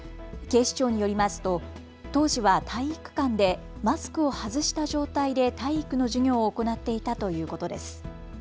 警視庁によりますと当時は体育館でマスクを外した状態で体育の授業を行っていたということです。